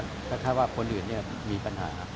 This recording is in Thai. ข้าวมันแค่ว่าคนอื่นมีปัญหา